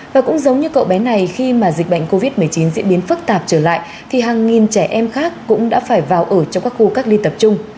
và cũng giống như cậu bé này khi mà dịch bệnh covid một mươi chín diễn biến phức tạp trở lại thì hàng nghìn trẻ em khác cũng đã phải vào ở trong các khu cách ly tập trung